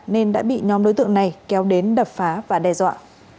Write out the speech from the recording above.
nên đã bị nhóm đối tượng này kéo đến đập phá và đe dọa